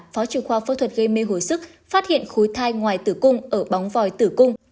phó trưởng khoa phẫu thuật gây mê hồi sức phát hiện khối thai ngoài tử cung ở bóng vòi tử cung